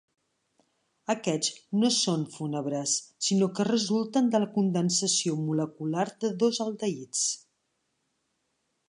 Aquests no són fúnebres, sinó que resulten de la condensació molecular de dos aldehids.